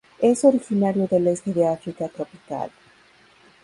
Es originario del este de África tropical.